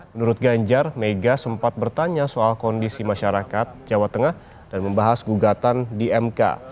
menurut ganjar mega sempat bertanya soal kondisi masyarakat jawa tengah dan membahas gugatan di mk